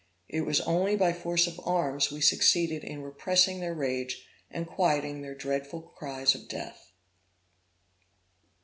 It was only by force of arms we succeeded in repressing their rage, and quieting their dreadful cries of death.